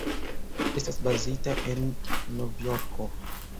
Estas bazita en Novjorko.